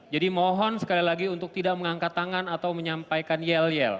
jadi mohon sekali lagi untuk tidak mengangkat tangan atau menyampaikan yell yell